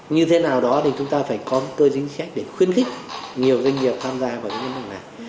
như thế nào đó thì chúng ta phải có cơ chính sách để khuyến khích nhiều doanh nghiệp tham gia vào những văn bản này